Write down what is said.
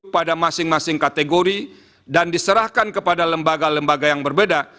pada masing masing kategori dan diserahkan kepada lembaga lembaga yang berbeda